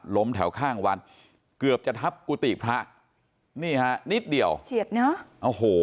แถวข้างวัดเกือบจะทับกุฏิพระนี่ฮะนิดเดียวเฉียดเนอะโอ้โห